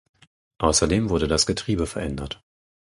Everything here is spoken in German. Außerdem wurde das Getriebe verändert.